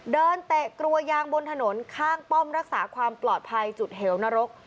เตะกลัวยางบนถนนข้างป้อมรักษาความปลอดภัยจุดเหวนรก